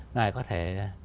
ngài có thể